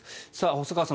細川さん